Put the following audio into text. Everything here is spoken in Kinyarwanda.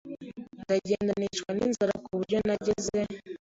ndagenda nicwa n’inzara ku buryo nageze